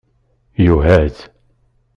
Yuhaz